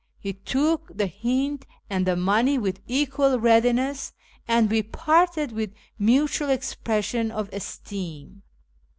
He took the hint and the money with equal readiness, and we parted witli mutual expressions of esteem.